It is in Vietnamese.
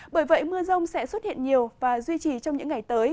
bởi vậy mưa rông sẽ xuất hiện nhiều và duy trì trong những ngày tới